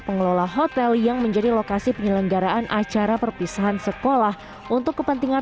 pengelola hotel yang menjadi lokasi penyelenggaraan acara perpisahan sekolah untuk kepentingan